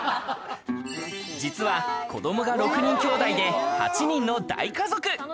実は子どもが６人きょうだいで８人の大家族。